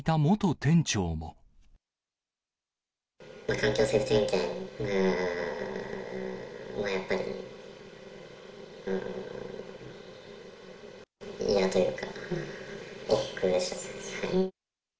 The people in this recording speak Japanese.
環境整備点検、まあ、やっぱり、嫌というか、おっくうでしたね。